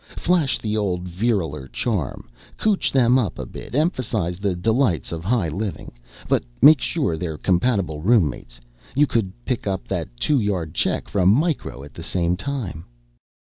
Flash the old viriler charm, cootch them up a bit, emphasize the delights of high living, but make sure they're compatible roommates. You could pick up that two yard check from Micro at the same time."